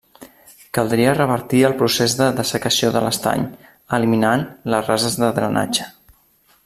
Caldria revertir el procés de dessecació de l'estany, eliminant les rases de drenatge.